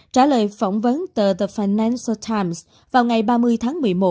trả lời phỏng vấn tờ the financial times vào ngày ba mươi tháng một mươi một